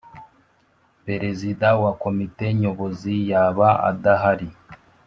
Perezida wa Komite Nyobozi yaba adahari